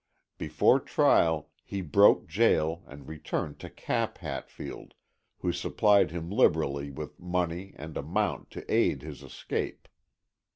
Before trial he broke jail and returned to Cap Hatfield, who supplied him liberally with money and a mount to aid his escape.